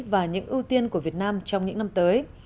và những ưu tiên của việt nam trong những năm tới